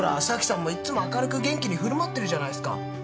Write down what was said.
咲さんもいっつも明るく元気に振る舞ってるじゃないっすか。